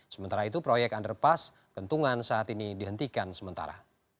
sementara itu proyek underpass kentungan saat ini dihentikan sementara